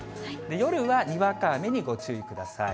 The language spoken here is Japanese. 夜はにわか雨にご注意ください。